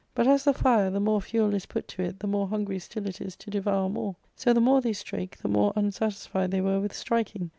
But as the fire, the more fuel is put to it the more hungry still it is to devour more, so the more they strake the more unsatisfied they were with striking.